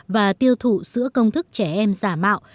và tiêu thụ sữa công thức trẻ em giả mạo